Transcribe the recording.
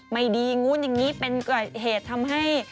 ไม่ดีงู้นอย่างนี้เป็นเหตุทำให้